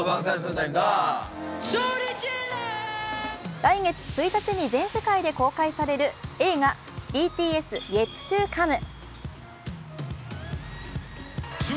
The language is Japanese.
来月１日に全世界で公開される映画「ＢＴＳ：ＹｅｔＴｏＣｏｍｅ」。